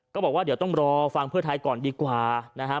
ก็บอกว่าเดี๋ยวต้องรอฟังเพื่อไทยก่อนดีกว่านะฮะ